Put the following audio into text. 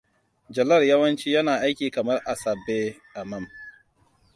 Jalal yawanci yana aiki kamar Asabeamam.